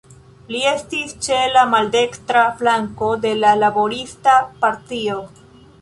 Li estis ĉe la maldekstra flanko de la Laborista Partio.